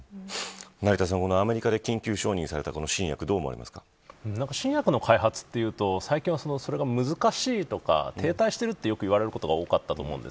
アメリカで緊急承認された新薬新薬の開発というと最近は難しいとか停滞していると言われることが多かったと思うんです。